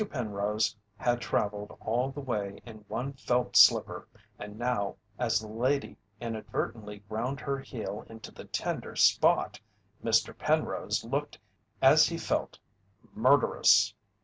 Penrose had travelled all the way in one felt slipper and now, as the lady inadvertently ground her heel into the tender spot, Mr. Penrose looked as he felt murderous.